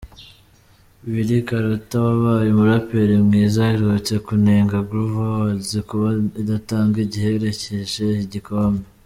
Willy Karuta wabaye umuraperi mwiza aherutse kunenga Groove Awards kuba idatanga igiherekeje igikombe.